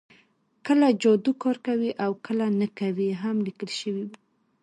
کله جادو کار کوي او کله نه کوي هم لیکل شوي وو